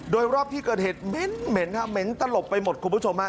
โดยรอบที่เกิดเหตุเหม็นครับเหม็นตลบไปหมดคุณผู้ชมฮะ